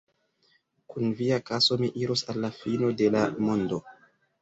Kun via kaso mi iros al la fino de la mondo!